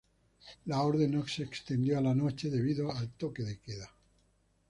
La orden no se extendió a la noche debido al toque de queda.